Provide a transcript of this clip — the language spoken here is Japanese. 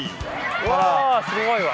うわすごいわ。